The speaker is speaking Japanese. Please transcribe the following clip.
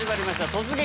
「突撃！